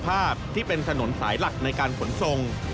ภาพที่เป็นถนนสายหลักในการขนส่ง